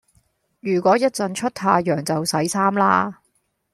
如果一陣出太陽就洗衫啦